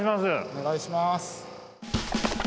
お願いします。